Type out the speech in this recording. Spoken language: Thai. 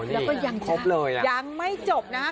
แล้วก็ยังจะยังไม่จบนะฮะ